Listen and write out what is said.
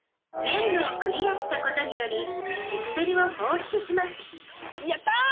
ゲームをクリアしたことによりピクセルをほうしゅつしますやった！